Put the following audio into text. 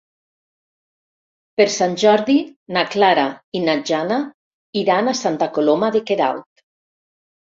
Per Sant Jordi na Clara i na Jana iran a Santa Coloma de Queralt.